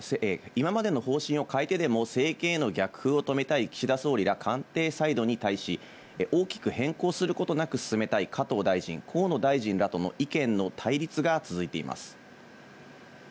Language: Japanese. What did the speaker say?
今までの方針を変えてでも政権への逆風を止めたい岸田総理が官邸サイドに対し、大きく変更することなく進めたい加藤大臣、河野大臣などの意見の対立が続いています。